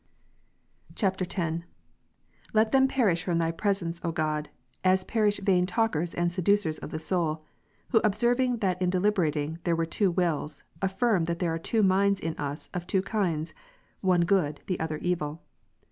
[X.] 23. Let them, perish from Thy 2)resence, O God, as ps. 68,2. perish vai7i talkers, and seducers of the soul: who* observing Tit. 1, that in deliberating there were two wills, affirm, that there • are two minds in us of two kinds, one good, the other evil.